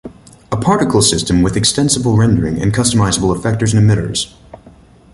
A particle system with extensible rendering and customizable effectors and emitters.